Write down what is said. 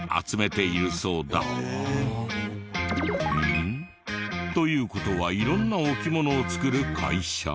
んっ？という事は色んな置物を作る会社？